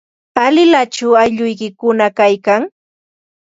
¿Alilachu aylluykikuna kaykan?